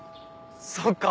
そっか！